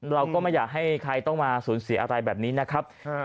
เราก็ไม่อยากให้ใครต้องมาสูญเสียอะไรแบบนี้นะครับ